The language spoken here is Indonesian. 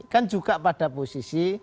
kan juga pada posisi